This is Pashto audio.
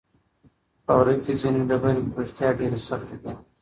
په غره کې ځینې ډبرې په رښتیا ډېرې سختې دي.